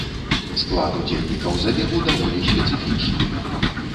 Склад удзельнікаў забегу даволі спецыфічны.